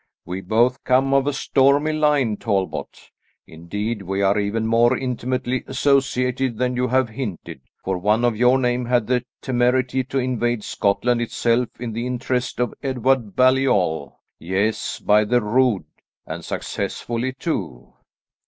"We both come of a stormy line, Talbot. Indeed we are even more intimately associated than you have hinted, for one of your name had the temerity to invade Scotland itself in the interests of Edward Baliol yes, by the Rood, and successfully too."